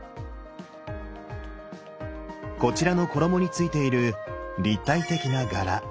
こちらの衣についている立体的な柄。